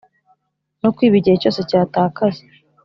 no kwiba igihe cyose cyatakaye.